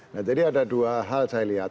nah jadi ada dua hal saya lihat